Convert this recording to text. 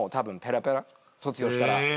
卒業したら。